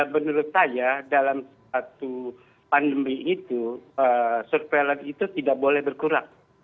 menurut saya dalam satu pandemi itu surveillance itu tidak boleh berkurang